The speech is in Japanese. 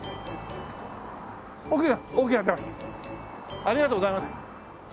ありがとうございます。